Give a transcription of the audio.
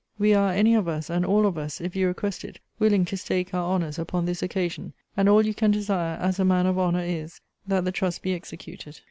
We are, any of us, and all of us, if you request it, willing to stake our honours upon this occasion; and all you can desire, as a man of honour, is, that the trust be executed.